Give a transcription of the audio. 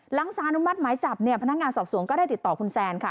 สารอนุมัติหมายจับเนี่ยพนักงานสอบสวนก็ได้ติดต่อคุณแซนค่ะ